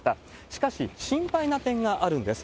しかし、心配な点があるんです。